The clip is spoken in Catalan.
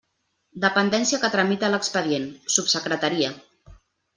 Dependència que tramita l'expedient: subsecretaria.